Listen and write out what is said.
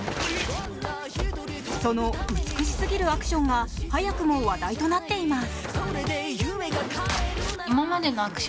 その美しすぎるアクションが早くも話題となっています。